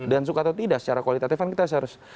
dan suka atau tidak secara kualitatif kan kita harus